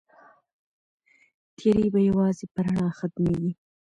تيارې به يوازې په رڼا ختميږي.